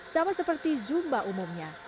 sama seperti zumba umumnya